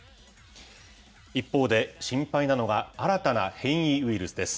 一方で、心配なのが新たな変異ウイルスです。